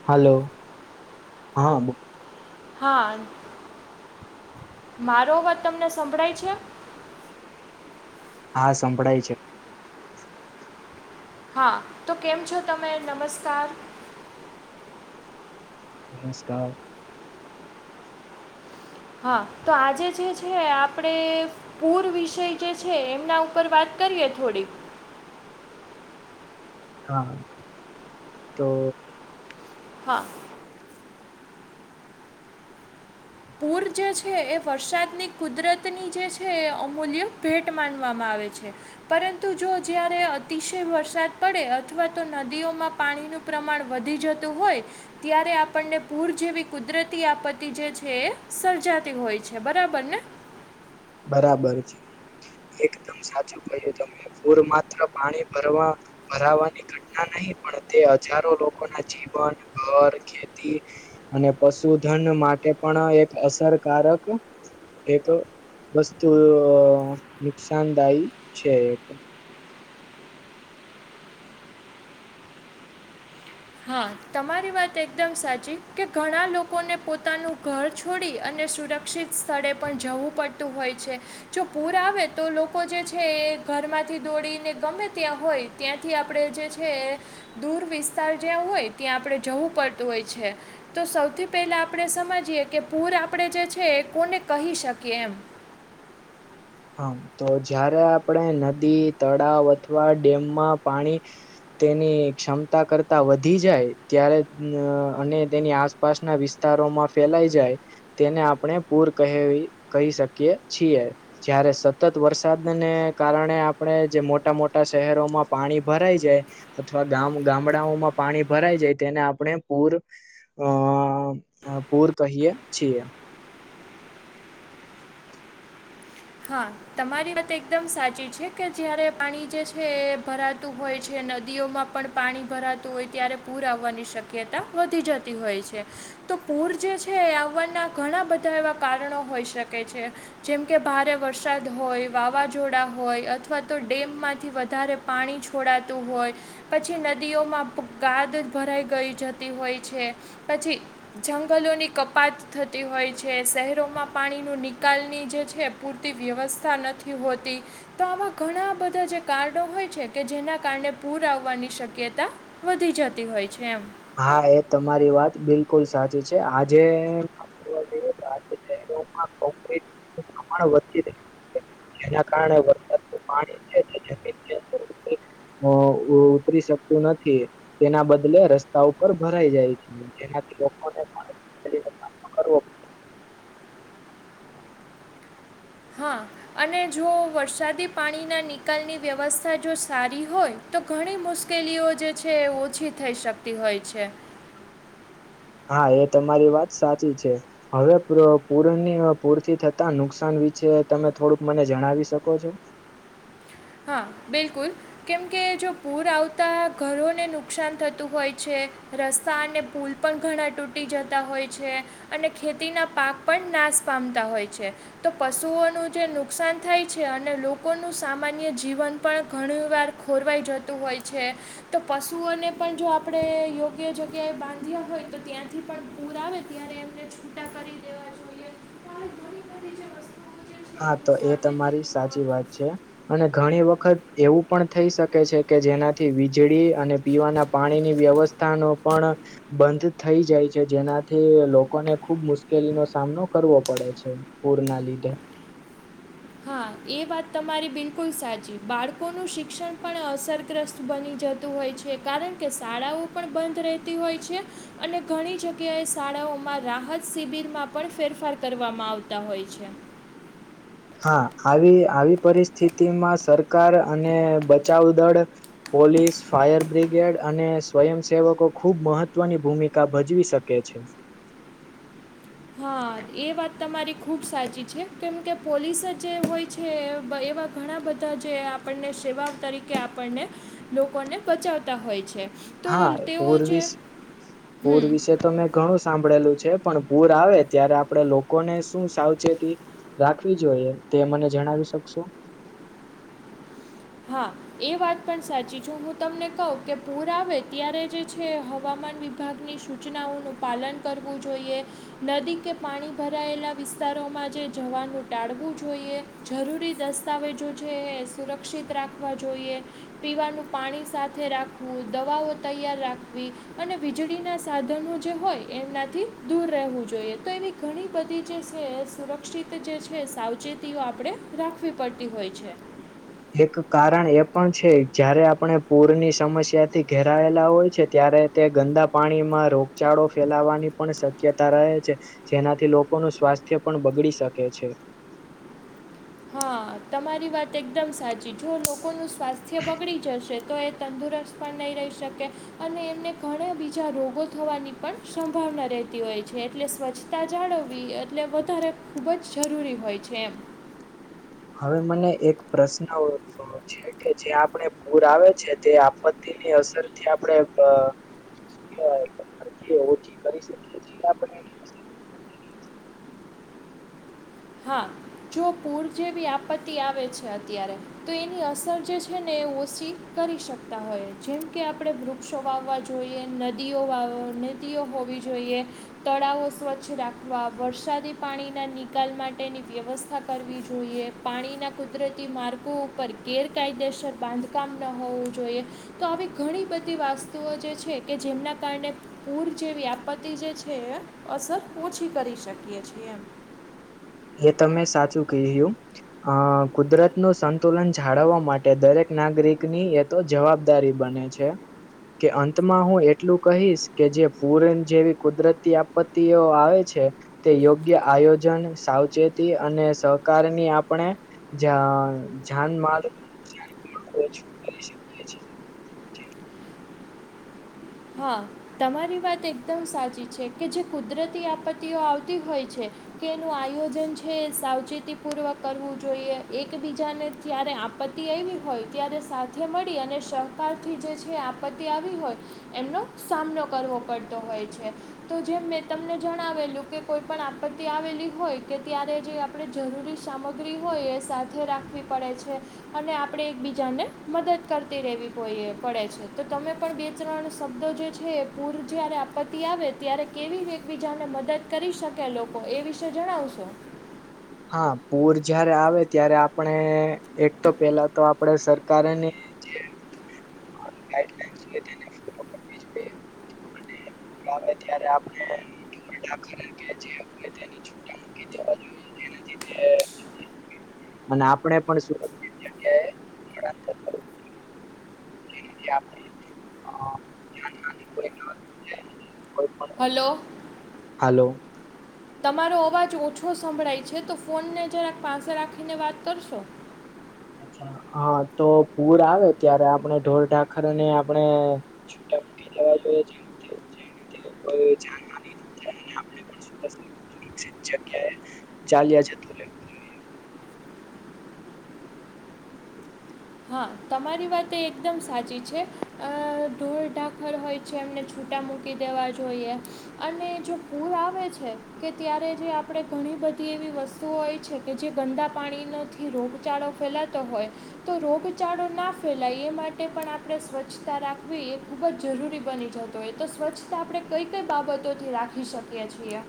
Hello હા હા મારો અવાજ તમને સંભળાય છે હા સંભળાય છે હા તો કેમ છો તમે નમસ્કાર નમસ્કાર હા તો આજે જે છે આપણે પૂર વિષય જે છે એમના ઉપર વાત કરીએ થોડીક હા તો હા પૂર જે છે એ વરસાદની કુદરતની જે છે એ અમૂલ્ય ભેટ માનવામાં આવે છે પરંતુ જો જયારે અતિશય વરસાદ પડે અથવા તો નદીઓમાં પાણીનુ પ્રમાણ વધી જતું હોય ત્યારે આપણને પૂર જેવી કુદરતી આપત્તિ જે એ સર્જાતી હોય છે બરાબર ને બરાબર છે એકદમ સાચું કહ્યું ત પૂર માત્ર પાણી ભરવા ભરાવાની ઘટના નહી પણ તે હજારો લોકો ના જીવન ઘર ખેતી અને પશુધન માટે પણ એક અસરકારક એક વસ્તુ નુકસાનદાયી છે એક હા તમારી વાત એકદમ સાચી કે ઘણા લોકોને પોતાનું ઘર છોડી અને સુરક્ષ સુક્ષિત સ્થળે પણ જવું પડતું હોય છે જો પૂર આવે તો લોકો જે છે એ ઘરમાંથી દોડીને ગમે ત્યાં હોય ત્યાંથી આપણે જે છે એ દૂર વિસ્તાર જ્યાં હોય ત્યાં આપણે જવું પડતું હોય છે તો સૌથી પહેલા આપણે સમજીએ કે પૂર આપણે જે છે એ કોને કહી શકીએ એમ હા તો જયારે આપણે નદી તળાવ અથવા ડેમમાં પાણી તેની ક્ષમતા કરતા વધી જાય ત્યારે અને તેની આસ પાસના વિસ્તારોમાં ફેલાઈ જાય તેને આપણે પૂર કહેવી કહી શકીએ છીએ જયારે સતત વરસાદને કારણે આપણે જે મોટા મોટા શહેરોમાં પાણી ભરાઈ જાય અથવા ગામ ગામડાઓમાં પાણી ભરાય જાય તેને આપણે પૂર અ પૂર કહીયે છીએ હા તમારી વાત એકદમ સાચી છે કે જયારે પાણી જે છે એ ભરાતું હોય છે નદીઓમાં પણ પાણી ભરાતું હોય ત્યારે પૂર આવવાની શક્યતા વધી જતી હોય છે તો પૂર જે છે એ આવવાના ઘણા બધા એવા કારણો હોઈ શકે છે જેમ કે ભારે વરસાદ હોય વાવાઝોડા હોય અથવા તો ડેમમાંથી વધારે પાણી છોડાતું હોય પછી નદીઓમાં ખુબ ગાદ ભરાઈ ગઈ જતી હોય છે પછી જંગલોની કપાત થતી હોય છે શહેરોમાં પાણી નું નિકાલની જે છે પૂરતી વ્યવસ્થા નથી હોતી તો આવા ઘણા બધા જે કારડો હોય છે કે જેના કાનડે પૂર આવવાની શક્યતા વધી જતી હોય છે એમ. હા એ તમારી વાત બિલકુલ સાચી છે આજે [unintelligible] પ્રમાણ વધી રહે. જેના કારણે વરસાદનું પાણી છે જે [unintelligible] અ એ ઉતરી શકતું નથી તેના બદલે રસ સ્તા ઉપર ભરાઈ જાય છે જેનાથી લોકોને [unintelligible] સામનો કરવો હા અને જો વરસાદી પાણીના નિકાલની વ્યવસ્થા જો સારી હોય તો ઘણી મુશ્કેલીઓ જે છે એ ઓછી થઈ શકતી હોય છે. હા એ તમારી વાત સાચી છે. હવે પ્ર પૂરનીય પૂરથી થતા નુકસાન વિશે તમે થોડુંક મને જણાવી શકો છો? હા બિલકુલ. કેમકે જો પૂર આવતા ઘરોને નુકસાન થતું હોય છે. રસ્તા અને પૂલ પણ ઘણા તૂટી જતા હોય છે. અને ખેતીના પાક પણ નાશ પામતા હોય છે. તો પશુઓનું જે નુકસાન થાય છે, અને લોકોનું સામાન ન્ય જીવન પણ ઘણીવાર ખોરવાઈ જતું હોય છે. તો પશુઓને પણ જો આપડે યોગ્ય જગ્યાએ બાંધ્યા હોય તો ત્યાંથી પણ પૂર આવે ત્યારે એમને છૂટા કરી [unintelligible] ઘણી બધી જે વસ્તુ હા તો એ તમારી સાચી વાત છે. અને ઘણી વખત એવું પણ થઈ શકે છે કે જેનાથી વીજળી અને પીવાના પાણી ની વ્યવસ થા નો પણ બંધ થઇ જાય છે, જેનાથી લોકોને ખુબ મુશ્કેલીનો સામનો કરવો પડે છે. પૂરના લીધે. હા એ વાત તમારી બિલકુલ સાચી. બાળકોનું શિક્ષણ પણ અસરગ્રસ્ત બની જ તું હોય છે, કારણ કે શાળાઓ પણ બંધ રહેતી હોય છે. અને ઘણી જગ્યાએ શાળાઓમાં રાહત શિબિરમાં પણ ફેરફાર કરવામાં આવતા હોય છે. હા આવી આવી પરિસ્થિતિમાં સરકાર અને બચાવ દળ પોલીસ, ફાયર બ્રિગેડ અને સ્વયંસેવકો ખુબ મહત્વની ભૂમિકા ભજવી શકે છે. હા એ વાત તમારી ખુબ સાચી છે. કેમ કે પોલીસ જે હોય છે બ એવા ઘણા બધા જે આપણને સેવા તરીકે આપણને લોકોને બચાવતા હોય છે. તો હા તેઓ પૂર જે વિશ પૂર હમ વિશે તમે ઘણું સાંભળેલું છે. પણ પૂર આવે ત્યારે આપણેે લોકોને શું સાવચેતી રાખવી જોઈએ, તે મને જણાવી શકશો? હા. એ વાત પણ સાચી છું. હું તમને કહું કે પૂર આવે ત્યારે જે છે હવામાન વિભાગની શું સૂચનાઓનું પાલન કરવું જોઈએ. નદી કે પાણી ભરાયેલા વિસ્તારોમાં જે જવાનું ટાળવું જોઈએ. જરૂરી દસ્તાવેજો છે, એ સુરક્ષિત રાખવા જોઈએ. પીવાનું પાણી સાથે રાખવું, દવાઓ તૈયાર રાખવી. અને વીજળીના સાધનો જે હોય એમનાથી દૂર રહેવું જોઈએ. તો એવી ઘણી બધી જે છે એ સુરક્ષિત જે છે, સાવચેતીઓ આપણે રાખવી પડતી હોય છે. એક કારણ એ પણ છે, જયારે આપણે પૂરની સમસ્યાથી ઘેરાયેલા હોય છે ત્યારે તે ગંદા પાણીમાં રોગચાળો ફેલાવાની પણ શક્યતા રહે છે જેનાથી લોકોનું સ્વાસ્થ્ય પણ બગડી શકે છે હા તમારી વાત એકદમ સાચી, જો લોકોનું સ્વાસ્થ્ય બગડી જશે તો એ તંદુરસ્ત પણ નહીં રહી શકે અને એમને ઘણા બીજા રોગો થવાની પણ સંભાવના રહેતી હોય છે, એટલે સ્વચ્છ તા જાળવવી એટલે વધારે ખૂબ જ જરૂરી હોય છે એમ હવે મને એક પ્રશ્ન ઉદ્દભવ છે, કે જે આપણે પૂર આવે છે તે આપત્તિની અસરથી આપણેે ઓછી કરી શકીએ છીએ આપણે હા, જો પૂર જેવી આપત્તિ આવે છે અત્યારે તો એની અસર જે છે ને એ ઓછી કરી શકતા હોય, જેમ કે આપણેે વૃક્ષો વાવવા જોઈએ, નદીઓ વા નદીઓ હોવી જોઈએ તળાવો સ્વચ્છ રાખવા, વરસાદી પાણીના નીકાલ માટેની વ્યવસ્થા કરવી જોઈએ પાણીના કુદરતી માર્ગો પર ગેરકાયદેસર બાંધકામ ન હોવું જોઈએ તો આવી ઘણી બધી વાસ્તુઓ જે છે કે જેમના કારણે પૂર જેવી આપત્તિ જે છે અસર ઓછી કરી શકીએ છીએ એમ એ તમે સાચું કહયું અ કુદરત નું સંતુલન જાળવવા માટે દરેક નાગરિકની એક તો જવાબદારી બને છે કે અંતમાં હું એટલું કહીશ કે જે પૂર જેવી કુદરતી આપત્તિઓ આવે છે તે યોગ્ય આયોજન સાવચેતી અને સહકાર ની આપણે જ જાનબાન [unintelligible] હા તમારી વાત એકદમ સાચી છે કે જે કુદરતી આપત્તિઓ આવતી હોય છે કે એનુ આયોજન છે સાવચેતી પૂવૅક જોઈએ એકબીજાને જ્યારે આપત્તિ આવી હોય ત્યારે સાથે મળી અને સહકારથી જે છે આપત્તિ આવી હોય એમનો સામનો કરવો પડતો હોય છે તો જેમ મેં તમને જણાવેલું કે કોઈ પણ આપત્તિ આવેલી હોય કે ત્યારે જે આપણે જરૂરી સામગ્રી હોય એ સાથે રાખવી પડે છે અને આપણે એકબીજાને મદદ કરતી રહેેવી પડે છે તો તમે પણ બે ત્રણ તો જે છે એ પૂર જ્યારે આપત્તિ આવે ત્યારે કેવી એકબીજાને મદદ કરી શકે એ લોકો એ વિશે જણાવશો હા, પૂર જયારે આવે ત્યારે આપણે એક તો પેલા તો આપણે સરકારની જે રીતે, એટલે [unintelligible] મળે ત્યારે આપણે [unintelligible] અને આપણે પણ શું જે રીતે આપણે [unintelligible] હલો હલો તમારો ‌અવાજ ઓછો સંભળાય છે તો ફોનને જરાક પાસે રાખીને વાત કરશો હા, તો પૂર આવે ત્યારે આપણે ઢોર ઢાખર ને આપણે છૂટા મૂકી દેવા જઈએ જે રીતે કોઈની જાણ ન થાય [unintelligible] જગ્યાએ ચાલ્યા [unintelligible] હા તમારી વાત એ એકદમ સાચી છે. આ ધોરઢાકર હોય છે એમને છૂટા મૂકી દેવા જોઈએ. અને જો પૂર આવે છે કે ત્યારે જે આપડે ઘણી બધી એવી વસ સ્તુઓ હોય છે કે જે ગંદા પાણીનોથી રોગચાળો ફેલાતો હોય તો રોગચાળો ના ફેલાય એ માટે પણ આપણે સ્વચ્છતા રાખવી એ ખૂબ જ જરૂરી બની છે. તો એ તો સ્વચ્છતા આપણે કઈ કઈ બાબતોથી રાખી શકીએ છીએ.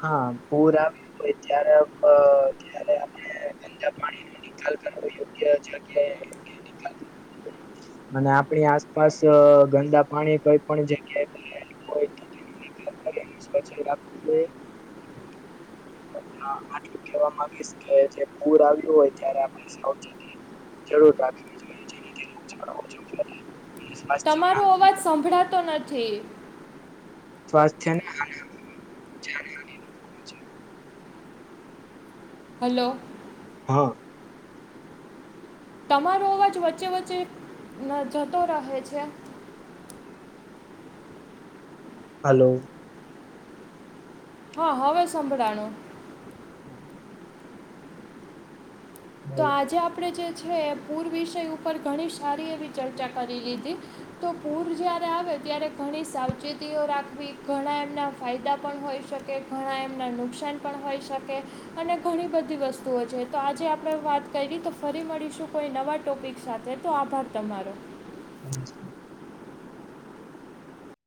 હા પૂર આવે તો ત્યારે આપડ જ્યારે આપડે [unintelligible] પાણીને નિકાલ કરવો યોગ્ય જગ્યાએ નિકાલ [unintelligible] ને આપણી આસપાસ ગંદા પાણી કોઈ પણ જગ્યાએ [unintelligible] નિકાલ કરીને સ્વચ્છ રાખવું જોઈએ. હા આટલું કેવા માંગીશ કે જે પુર આવ્યું હોય ત્યારે આપણે સાવચેતી જરૂર રાખવી જોઈએ. [unintelligible] સ્વાસ્થ્યના તમારો અવાજ સંભળાતો નથી. સ્વાસ્થ્યને [unintelligible] હલો. હા. તમારો અવાજ વચ્ચે હ જતો રહે છે. હલો. હા, હવે સંભરાણો. હા. તો બોલો આજે આપડે જે છે એ પૂર વિષય ઉપર ઘણી સારી એવી ચર્ચા કરી લીધી. તો પૂર જયારે આવે ત્યારે ઘણી સાવચેતીઓ રાખવી ઘણા એમના ફાયદા પણ હોય છે. કે ઘણા એમના નુકસાન પણ હોઈ શકે અને ઘણી બધી વસ્તુઓ છે. તો આજે આપ પડે વાત કરી તો ફરી મળીશું કોઈ નવા ટોપિક સાથે તો આભાર તમારો. નમસ્કાર.